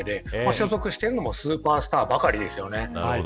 所属しているのもスーパースターばかりです。